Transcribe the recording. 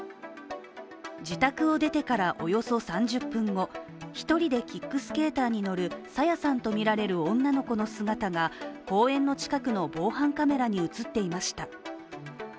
自宅を出てからおよそ３０分後１人でキックスケーターに乗る朝芽さんとみられる女の子の姿が公園の近くの防犯カメラに映っていました。